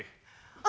あ！